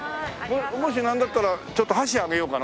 もしなんだったらちょっと箸あげようかな。